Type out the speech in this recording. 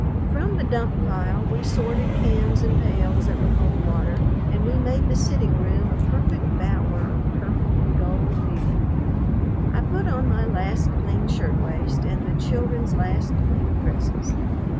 From the dump pile we sorted cans and pails that would hold water, and we made the sitting room a perfect bower of purple and gold beauty. I put on my last clean shirt waist and the children's last clean dresses.